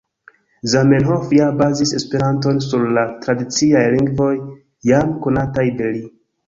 Zamenhof ja bazis Esperanton sur la tradiciaj lingvoj jam konataj de li.